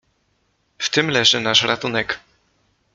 "W tem leży nasz ratunek."